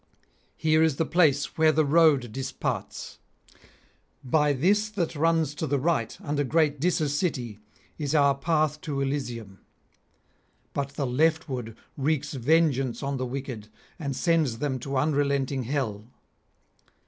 Here is the place where the road disparts; by this that runs to the right [542 574]under great Dis' city is our path to Elysium; but the leftward wreaks vengeance on the wicked and sends them to unrelenting hell.'